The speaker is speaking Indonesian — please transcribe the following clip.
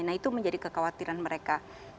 nah itu menjadi kekhawatiran mereka